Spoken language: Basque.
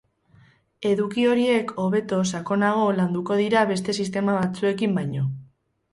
Eduki horiek hobeto, sakonago, landuko dira beste sistema batzuekin baino.